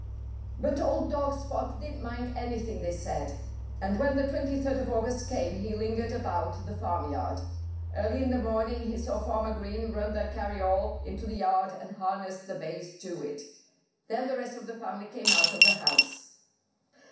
But old dog Spot didn't mind anything they said. And when the twenty third of August came he lingered about the farmyard. Early in the morning he saw Farmer Green run the carryall into the yard and harness the bays to it. Then the rest of the family came out of the house.